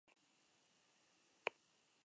Berrogeita hamabi liburu idatzi zituen historiaz.